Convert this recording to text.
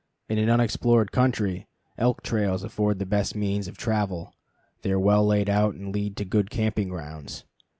] In an unexplored country, elk trails afford the best means of travel; they are well laid out and lead to good camping grounds.